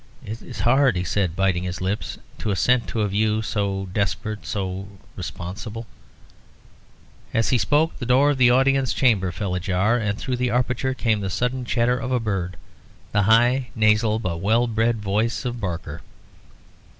"It is hard," he said, biting his lips, "to assent to a view so desperate so responsible...." As he spoke, the door of the audience chamber fell ajar, and through the aperture came, like the sudden chatter of a bird, the high, nasal, but well bred voice of Barker.